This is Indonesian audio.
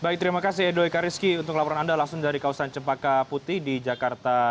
baik terima kasih edo ekariski untuk laporan anda langsung dari kawasan cempaka putih di jakarta